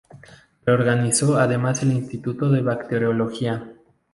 Reorganizó además el Instituto de Bacteriología.